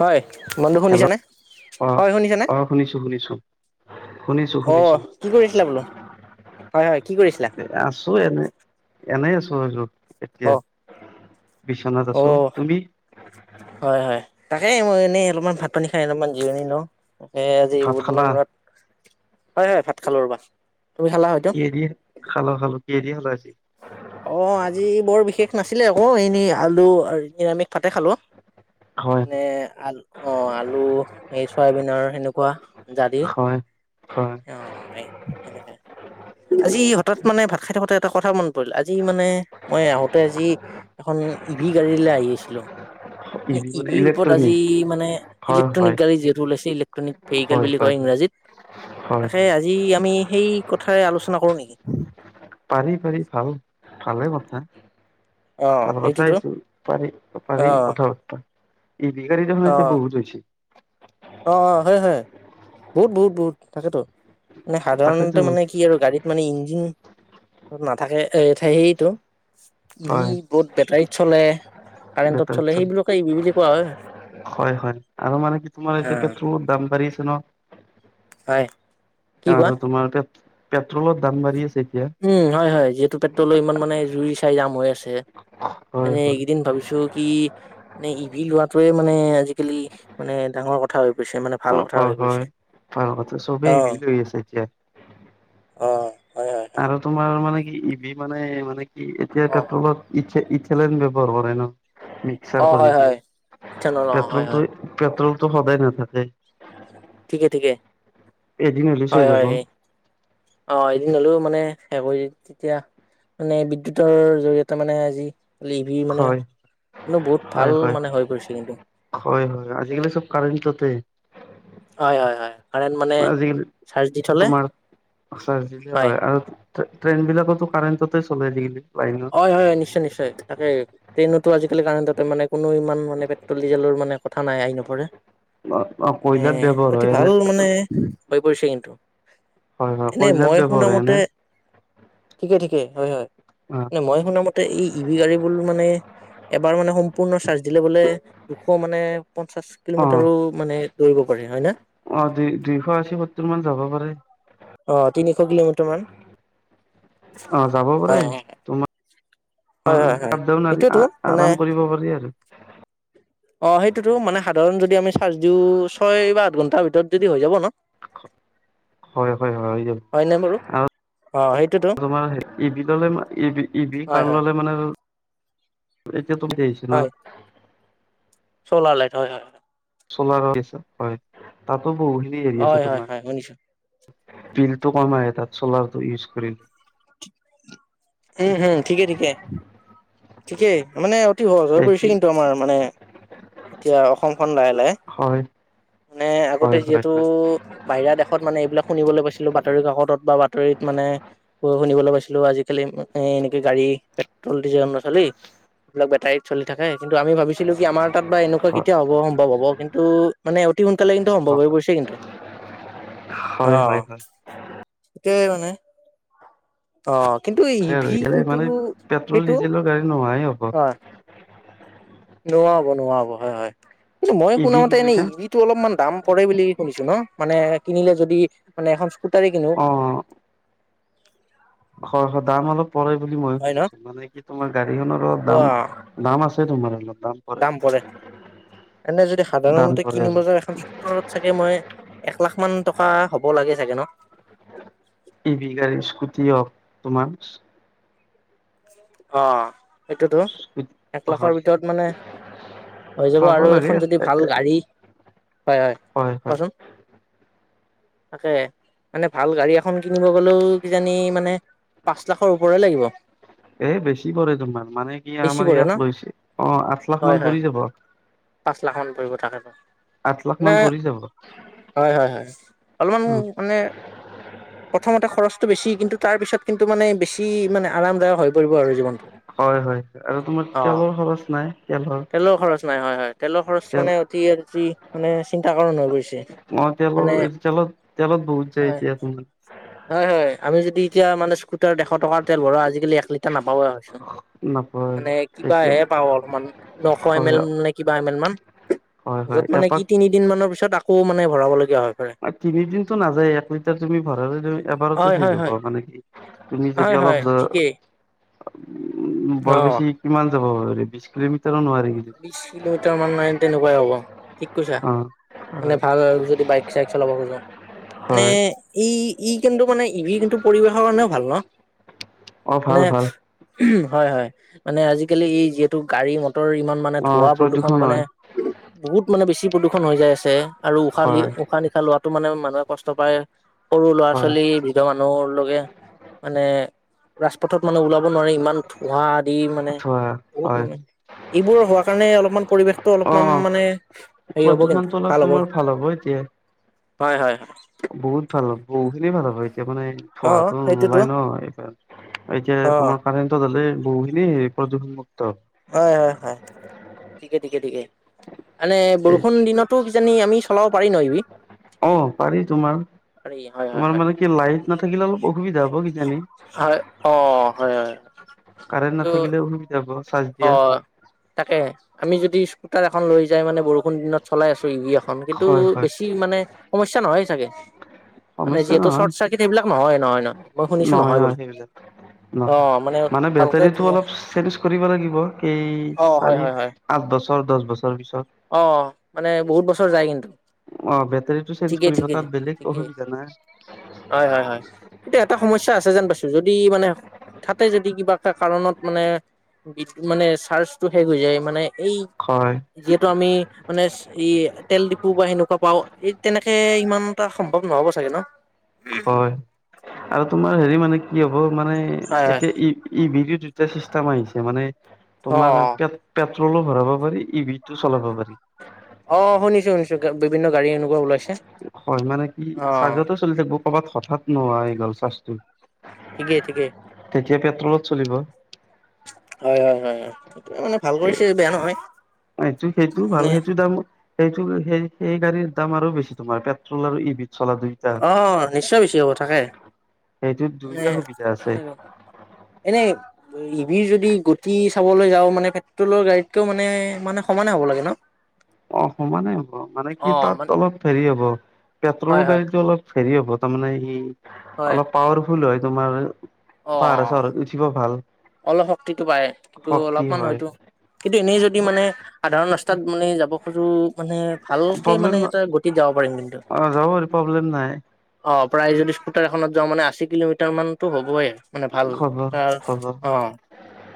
হয় বন্ধু হেল্ল' শুনিছানে অ হয় শুনিছানে অ শুনিছো শুনিছো শুনিছো অ শুনিছো কি কৰিছিলা বোলো। হয় হয় কি কৰিছিলা? আছো এনে এনেই আছো হয় যোগতো এতিয়া অ', বিচনাত অ আছো তুমি হয় হয়, তাকে মই এনেই অলপমান ভাত পানী খাই অলপমান জিৰণি লওঁ সে আজি ভাত বহুত দিনৰ খালা মূৰত হয় হয় ভাত খালো ৰ বা কিদি খালো খালো কিদি খালাই অ আজি বৰ বিশেষ নাছিলে আকৌ এনেই আলু নিৰামিষ ভাতে খালো হয় মানে আল অ আলু এই চ'বিন হেনেকুৱা কোৱা ডাদি হয় হয় অ এক আজি হঠাৎ মানে ভাত খাই থাকোতে এটা কথা মন পৰিল আজি মানে মই আহোতে আজি এখন ই ভি গাড়ীলৈ আহি আছিলো মে ইভি ই মানে বি ৰূপত আজি ইলেক্ট্ৰনিক মানে হয় ইলেক্ট্ৰনিক হয় গাড়ী যিহেতু ওলাইছে ইলেক্ট্ৰনিক ভেহিকেল হয় বুলি হয় কয় হয় ইংৰাজী হয় তাকে হয় আজি আমি সেই কথাৰে আলোচনা কৰো নেকি? পাৰি পাৰি ভাল ভালে কথা, অ' তাৰ সেইটোতো কথাই তোৰ পাৰি অ পাৰি কথা বাৰ্তা, এই বিগাৰীখন অ এতিয়া বহুত হৈ অ হৈছে। হয় হয় বহুত বহুত বহুত থাকেতো। মানে তাকেতো সাধাৰণতে মানে কি আৰু গাড়ীত মানে ইঞ্জিন নাথাকে সেইতটো, ই হয় ভ বহত বেটাৰীত চলে কাৰেণ্টত চলে সেইবিলকে ই ভ বুলি কোৱা হয় আৰু হয় হয়, আৰু মানে কি তোমাৰ [unintelligible] দাম বাঢ়ি আছে ন। হয় কি কোৱা [unintelligible] তোমাৰ তাতে [unintelligible] উম, হয় হয়, যিহেতু পেট্ৰলৰ ইমান মানে জুই [unintelligible] যাম হৈ আছে। হয় মানে হয় এইকেইদিন ভাবিছো কি মানে ই ভি লোৱাটোৱে মানে, আজিকালি মানে, ডাঙৰ কথা হৈ পৰিছে মানে ভাল অ', কথা হয় হৈ হয়। পৰিছে। ভাল কথা, চবেই ঈ ভি অ', লৈ আছে এতিয়া অ'। হয়, হয়, হয়। আৰু তোমাৰ মানে ই ভি মানে-মানে এতিয়া অ', পেট্ৰলত [unintelligible] [unintelligible] ব্যৱহাৰ কৰে ন। মিক্সাৰ অ', কৰি হয়, দিয়ে, হয়, ইথানল অ', হয়, হয়, পেট্ৰলটো পেট্ৰল [unintelligible] সদাই নাথাকে। ঠিকে, ঠিকে। এদিন হ'লে শেষ হয়। হ'ব অ'। হ'লেও মানে সে কৰি তেতিয়া, মানে বিদ্যুতৰ জৰিয়তে মানে আজি লিভিৰ মানে হয় বহুত ভাল হয় হয় মানে হৈ গৈছে কিন্তু। হয় হয় চব আজিকালি কাৰেণ্টতে হয়, হয়, হয়। কাৰেণ্ট মানে আজিকালি চাৰ্জ দি থ'লে তোমাৰ চাৰ দিলে হয়। আৰু ট্ৰেইন বিলাকতো কাৰেণ্টতে চলাই আজিকালি লাইনত হয়, হয়, হয়। নিশ্চয়, নিশ্চয় তাকে ট্ৰেইনত তটো আজিকালি কাৰেণ্টতে মানে কোনো ইমান মানে পেট্ৰল ডিজেলৰ মানে কথা নাই আহি নপৰে অ', এ কইলাত ব্যৱহাৰ অতি হয় ভাল এনে মানে হৈ পৰিছে কিন্তু। হয় হয় এনে কয়লাত মই ব্যয়ৱহাৰ হয় শুনামতে এনে। ঠিকে ঠিকে হয় হয়। অ', নে মই শুনা মতে এই ই ভি গাড়ীবোৰ মানে এবাৰ মানে সম্পূৰ্ণ চাৰ্জ দিলে বোলে দুশ মানে পঞ্চাশ অ', কিলোমিটাৰো মানে দৌৰিব পাৰি হয় নে? অ', দুই দুইশ আশী সত্তৰ মান যাব পাৰে অ', তিনিশ কিলোমিটাৰ মান যাব পাৰে অ'। তোমাৰ অ', [unintelligible] মানে আৰাম কৰিব পাৰি আৰু। অ', সেইটোতো মানে সাধাৰণ যদি আমি চাৰ্জ দিওঁ ছয় বা আঠ ঘণ্টাৰ ভিতৰত যদি হৈ যাব ন। হয়, হয়-হয় য হয় নাই বাৰু আৰু অ সেইটোতো তোমাৰ ই ভি হয় খন হয় ললে মানে [unintelligible] [unintelligible] চোলাৰ লাইট হয় হয়। চোলাৰ [unintelligible] হয় তাত [unintelligible] আছে হয় হয় তোমাৰ। হয় শুনিছো বিলটো কম আহে তাত ছলাৰটো ইউজ কৰিলে। উম, হম ঠিকে ঠিকে। ঠিকেই মানে অতি সহজ হৈ সেইটো পৰিছে কিন্তু আমাৰ মানে এতিয়া অসমখন লাহে-লাহে হয় মানে আগতে হয় হয় যিহেতু হয় বাহিৰা দেশত মানে এইবিলাক শুনিবলৈ পাইছিলো বাতৰি কাকতত বা বাতৰিত মানে শুনিবলৈ পাইছিলো আজি আজি কালি মানে এনেকে গাড়ী পেট্ৰল ডিজেল নচলে এইবিলাক বেটাৰীত চলি থাকে কিন্তু আমি ভাবিছিলো কি আমাৰ তাত বা এনেকুৱা কেতিয়া হব সম্ভ হব কিন্তু মানে অতি সোনকালে কিন্তু সম্ভৱ হয় হৈ পৰিছে কিন্তু হয় অ। হয় হয় [unintelligible] বনায়? [unintelligible] [unintelligible] কিন্তু মানে পেট্ৰল সেইটো ডিজেলৰ গাড়ী নোহাই হব। [unintelligible] নোহোৱা হব, নোহোৱা হব হয় হয়। কিন্তু মই ই শুনা ভি কি মতে এনে কৈছা ইভিটো অলপমান দাম পৰে বুলি শুনিছো ন'? মানে কিনিলে যদি মানে এখন স্কুটাৰয়ে কিনো। হয়, হয়। দাম অলপ পৰে বুলি মই হয় ন শুনিছো। মানে কি তোমাৰ গাড়ীখনৰ অলপ অ দাম দাম আছ তে তোমাৰে অলপ দাম পৰে। এনে যদি দাম সাধাৰণতে পৰে কিনি অলপ বজাৰ এখন স্কুটৰত চাগে মই এক লাখ মান টকা হ'ব লাগে চাগে ন'? ইভি গাড়ীৰ স্কুটিয়ে হওক। তোমাৰচ অ সেইটোতো এক হয় লাখৰ ভিতৰত মানে হৈ যাব পাব আৰু লাগে এখন যদি হয় ভাল গাড়ী। হয়, হয় হয় কোৱাচোন? থাকে, মানে ভাল গাড়ী এখন কিনিব গলেও কিজানি মানে পাঁচ লাখৰ ওপৰে লাগিব। এ বেছি পৰে তোমাৰ মানে কি বেছি আমাৰ পৰে ইয়াত ন, লৈছে অ আঠ লাখ হয়, মান হয়। পৰি যাব পাঁচ লাখ মান পৰিব তাকেক। আঠ লাখ না, মান পৰি যাব হয়, হয়, হয়। অলমানো মানে প্ৰথমতে খৰচটো বেছি। কিন্তু তাৰ পিছত কিন টো মানে বেছি মানে আৰামদায়ক হয়। কৰিব আৰু জীনটো। হয়, হয় আৰু তোমাৰ তেলৰ খৰচ নাই তেল হৰ। তেলৰ খৰচ নাই হয়, হয়। তেলৰ খৰচ মানে অতি আৰতি মানে চিন্তাকাৰণ হৈ গৈছে অ তেলৰ মানে তেলত তেলত বহুত যায় হয়। এতিয়া তোমাৰ হয়, হয় আমি যদি এতিয়া মানে স্কুটাৰত এশ টকাৰ তেল ভৰাও, আজিকালি এক লিটাৰ নাপ পাৱাই হৈছো। নাপায় মানে এতিয়া কিবাহে পাওঁ অলমান নশ হয় এমএল নে কিবা এমএল মান। হয় হয় য'ত মানে কি এপাক তিনিদিন মানৰ পিছত আক ঔ' মানে ভৰাব লগীয়া হল। তিনিদিনটো নাযায়, এক লিটাৰ তুমি ভৰা ধৰি ধৰি এবাৰতে হয় শেষ হয় হ'ব, হয় মানে কি তুমি যদি হয় অলপ হয় যৰ ঠিকেই [unintelligible] উম, বৰ অ'। বেছি কিমান যাব হেৰি বিশ কিলোমিটাৰো নহয়। বিশ কিলোমিটাৰ মান মাইল তেনেকুৱাই হ'ব। ঠিক কৈছা। অ মানে হয় ভাল যদি বাইক চাইক চলাব খোজোঁ, মানে হয় এই কিন্তু মানে ইভি কিন্তু পৰিৱেশৰ কাৰণেও ভাল ন? অ মানে ভাল ভাল উম হয় হয় মানে আজিকালি ই যিহেতু গাড়ী মটৰ ইমান মানে অ ধোঁৱা প্ৰদূষণ মানে হয় বহুত মানে বেছি প্ৰদূষণ হৈ যায় আছে। আৰু উশাহ লি হয় উশাহ নিশাহ লোৱাটো মানে মানুহে কষ্ট পায়। সৰু ল'ৰা হয় ছোৱালী বিধৰ মানুহ লগে মানে ৰাজপথত মানে ওলাব। ন ইমান ধোঁৱা আদি মানে আঠুৱা বহুত হয় মানে এইবোৰৰ হোৱা কাৰণে অলপমান পৰিৱেশটো অ অলপমান মানে হেৰি হ'ব কিন্তু প্ৰদূষণটো অলপ ভাল হ'ব। তোমাৰ হ'ব এতিয়া হয়, হয়, হয়। বহুত ভাল হ'ব বহু খিনি ভাল হ'ব। এতিয়া মানে অ থোৱাতো সেইটোতো নোলাই ন এইব এতিয়া অ তোমাৰ কাৰেণ্ট হলে বহুত ন প্ৰদূষণমুক্ত। হয়, হয়, হয় ঠিকে, ঠিকে, ঠিকে। মানে এই বৰষুণ দিনতো যান আমি চলাব পাৰি ন ইবি অ পাৰি তোমাৰ পাৰি হয় হয় তোমাৰ হয় মানে কি লাইট নাথাকিলে অলপ অসুবিধা হ'ব কিজানি। হয় অ হয় হয় কাৰেণ্ট কিন্তু নাথাকিলে অসুবিধা হ'ব। চাৰ্জ অ, দিয়া 'তাকে আমি যদি তাৰ এখন লৈ যাই মান বৰষুণ দিনত চলাই আছো ই কিছু হয় হয় বেছি মানে সমস্যা নহয় চাগে। মানে সমস্যা যিহেতু নহয় চৰ্ট চাৰ্কিট এইবিলাক নহয় নহয় নহয় মই শুনিছো নহয় বোল নহয় অ মানে ভালকে বেটাৰীটো অলপ চেঞ্জ লাগিব এই অ হয় চাৰি হয় হয় পাঁচ বছৰ দছ বছৰ পিছত অ, মানে বহুত বছৰ যায় কিন্তু। অ বেটাৰীটো চেঞ্জ ঠিকেই, কৰিব ঠিকেই, তাত বেলেগ ঠিকেই অসুবিধা নাই হয়, হয়, হয় এতিয়া এটা সমস্যা আছে যেন পাইছো যদি মানে হঠাতে যদি কিবা কাৰণত মানে মানে চাৰ্জটো শেষ হৈ যায় মানে এই হয়। যিহেতু আমি মানে ই তেল ডিপু বা সেনেকুৱা পাও এই তেনেকে ইমান এটা সম্ভৱ নহব চাগে ন। হয় আৰু তোমাৰ হেৰি মানে কি হ মানে হয় হয় এতিয়া ই- ইভডিঅ টোতে চিষ্টেম আহিছে মানে, অ তোমাৰ পেট, পেট, টো ভৰাব পাৰি ইভিটো চলাব পাৰি। অ', শুনিছো শুনিছো বিভিন্ন গাড়ী এনেকুৱা ওলাইছে। হয় মানে কি অ চাৰ্জ চলি থাকিব কৰবাত হঠাৎ নোহোৱা গল। [unintelligible] ঠিকেই ঠিকেই। তলত চলিব। ত মানে ভাল এ কৰিছে বেয়া নহয় সেইটো সেইটো ভাল মানে। সেইটো দাম সেইটো সেই সেই গাড়ীৰ দাম আৰু বেছি তোমাৰ পেট্ৰল আৰু ইভি অ', নিশ্চয় বেছি হ'ব থাকে, সেইটোত এ দুইটা সুবিধা আছে [unintelligible] এনেই। ই ভি যদি গতি চাবলৈ যাওঁ মানে পেট্ৰলৰ গাড়ীতকেও মানে মানে সমানে হ'ব লাগে ন? অঁ সমানে হ মানে কি অ তাত মান অলপ হেৰি হ'ব পেট্ৰলৰ হয় হয় গাড়ীতটো অলপ, হেৰি হ'ব তামানে ই, হয় অ'লপ পাৱাৰফুল হয়। তোমাৰ, অ পাহাৰত-চহাৰত উঠিব ভাল। অলপ শক্তিটো বাঢ়ে, কিন্তু শক্তি অলপমান হয় হয়তো কিন্তু এনেই যদি মানে সাধাৰণ ৰাস্তাত মানে ই যাব কতো মানে ভালকে প্ৰব্লেম মানে এটা গতিত যাব পাৰিম কিন্তু। অ যাব পাৰি প্ৰব্লেম নাই অ' প্ৰায় যদি স্কুটাৰ এখনত যাওঁ মানে আশী কিলোমিটাৰমানতো হ'বই। মানে ভাল খবৰ তাৰ খবৰ অ' হয়,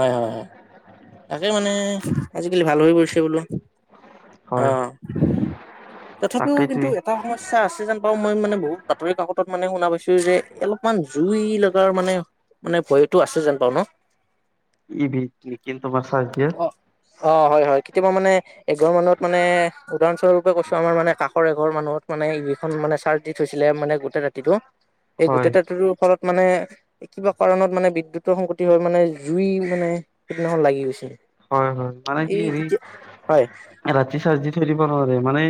হয়, হয়। তাকে মানে আজিকালি ভাল হৈ পৰিছে বোলোঁ। হয় অ' তথাপিও তাকেইতো কিন্তু এটা সমস্যা আছে যেন পাওঁ, মই মানে বহুত বাতৰি কাকতত মানে শুনা পাইছোঁ যে অলপমান জুই লগাৰ মানে মানে ভয়তটো আছে যেন পাওঁ ন? ই ভিক লি ইমফ্ৰৰমাৰ চাঠ দিয়ে। অ'হয়, হয় কেতিয়াবা মানে এঘৰ মানত মানে উদাহৰস্বৰূপ কৈছোঁ আমাৰা মানে কাষ এঘৰ মানুহত মানে ইখন মানে চাৰ্জ দি থৈছিলে মে গোটেই ৰাতিটো এই হয় গোটেইটাতৰো ফলত মানে কিবা কাৰণত মানে বিদ্যুতৰ সংকটি হয় মানে জুই মানে সিদিনাখন লাগি গৈছে। হয়, হয় মানে কি হেৰি হয় ৰাতি চাৰ্জ দি থয় দিম। ক'ব নোৱাৰে মানে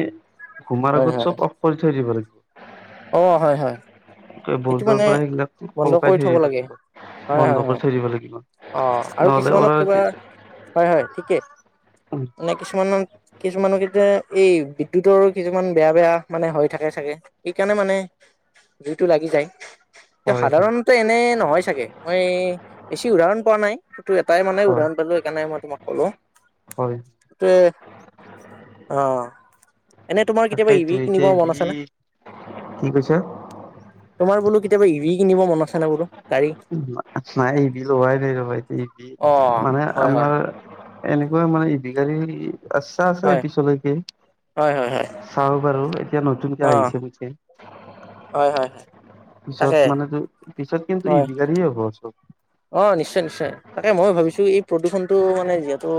ঘুমাৰ হয় আগত হয় চ'ব অফকৰি থৈয় দিব লাগে। অ হয় হয়। এইটো বৰ্ডাৰ মানে পৰা সেইগিলাক বন্ধ হলকাই কৰি থৈ থ'ব দিব লাগে লাগিব, হয় হয় বন্ধ কৰি হয় থৈ দিব লাগিব, অ', আৰু নহলে কিছুমানত অৰে ৰাতি নে কিছুমানত কিছুমানক এতিয়া এই বিদ্যুৎৰো কিছুমান বেয়া বেয়া মানে হৈ থাকে চাগে সেইকাৰণে মানে টো লাগি যায় তে হয় হয় সাধাৰণতে এনে নহয় চাগে মই বেছি উদাহৰণ পোৱা নাই এটাই মানে হয় উদাহৰণ পালো সেইকাৰণে মই তোমাক কলো হয় ত অ এনে তোমাৰ কেতিয়াবা তাকেইতো ইৰি কিনিব এতিয়া মন বি আছেনে কি কৈছা তোমাৰ বোলো কেয়াবা এৰি কিব মনত আছে ন বো নাই ইবি লোৱাই নাই লহাইতি ইবি অ মানে হয় হয় আমাৰ এনেকুৱা মানে ই বিগী আচ্ছা আছে হয় পিছলৈকে হয় হয় হয় চাওঁ বাৰু এতিয়া নতুন অ আহিছে পুছে হয় হয় হয় পিছত তাকে মানে যে পিছত কিন্তু ই হয় বিগিয় হ'ব চব অ নিশ্চয় নিশ্চয় তাকে মই ভাবিছো এই প্ৰদূষণতটো মানে যিহেতু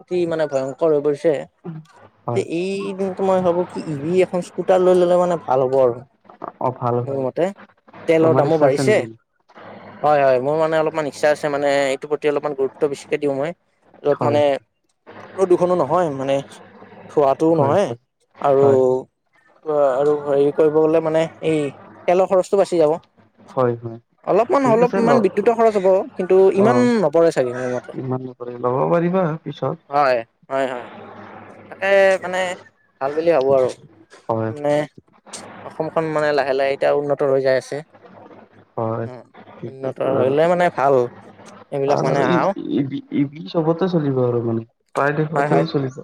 অতি মানে ভয়ংকৰ হৈ পৰিছে হয় এই মই ভাবো কি ইৰি এখন স্কুটাৰ লৈ ল'লে মানে ভাল হ'ব আৰু অ ভাল মোৰ ভাল মতে তেলৰ তোমাৰ দামো ইচ্ছা আছে বাঢ়িছে নেকি হয় হয় মোৰানে অলপ অলপমান ইচ্ছা আছে মানে এইটো প্ৰতি অলপমান গুৰুত্ব বেছিকে দিওঁ মই ৰত হয় মানে প্ৰদূষণো নহয় মানে থোৱাটোও হয় নহয় হয় আৰু হয় আৰু হেৰি কৰিব গলে মানে এই তেলৰ খৰচটো বাচি যাব হয় হয় অলপমান ঠিক আছে ল অলপমান বিদ্যুতৰ খৰচ হব কিন্তু অ ইমান নপৰে চাগে মোৰ মতে ইমান নকৰি ল'ব পাৰিবা পিছত হয় হয় হয় তাকে মানে ভাল বুলি ভাবো আৰু হয় মানে অসমখন মানে লাহে লাহে এতিয়া উন্নত ৰ যাই আছে হয় অ উন্নত ঠিকেইটো হলে মানে ভাল এইবিলাক মানে আৰু আহাও ই চবতে চলিব আৰু মানে প্ৰায় হয় দেশতে হয় চলিব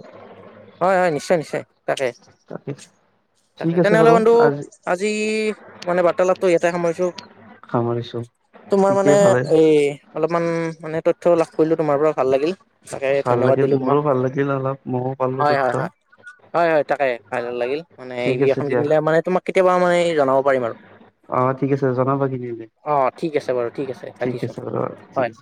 হয় হয় নিশ্চয় নিশ্চয় তাকে তাকে তাকে ঠিক আছে তেনেহলে বাৰু কিধু আজি মানে বাৰ্তালাপটো এ সমইছো সামৰিছো তোমাৰ মানে ঠিকেই ভালে এই অলপমান মানে তথ্য লাভ কৰিলোঁ তোমাৰ পৰা ভাল লাগিল। তাকে ভাল ধন্যবাদ লাগিল দিলো তোমাক। মোৰো ভাল লাগিল অলপ ময়ো পালো হয় তথ্য হয় হয়, হয় হয় তাকে ভালে লাগিল মানে ই ঠিক ভি আছে এখন দিয়া কিনিলে মানে তোমাক কেতিয়াবা মই জনাব পাৰিম আৰু, অ ঠিক আছে জনাবা কিনিলে অ ঠিক আছে বাৰু ঠিক আছে, ৰাখিছো আছে বাৰু ঠিক হয়। আছে